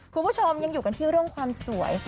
คุณผู้ชมยังอยู่กันที่เรื่องความสวย